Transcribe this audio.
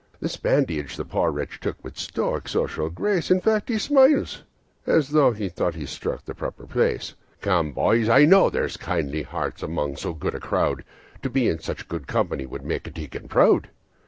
This badinage the poor wretch took with stoical good grace; In face, he smiled as tho' he thought he'd struck the proper place. "Come, boys, I know there's kindly hearts among so good a crowd To be in such good company would make a deacon proud.